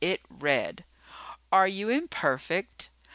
It read: ARE YOU IMPERFECT?